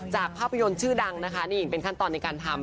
ภาพยนตร์ชื่อดังนะคะนี่เป็นขั้นตอนในการทำ